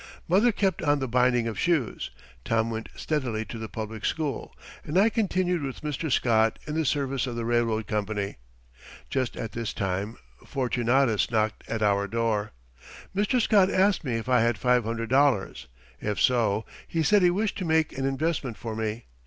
Mother kept on the binding of shoes; Tom went steadily to the public school; and I continued with Mr. Scott in the service of the railroad company. Just at this time Fortunatus knocked at our door. Mr. Scott asked me if I had five hundred dollars. If so, he said he wished to make an investment for me.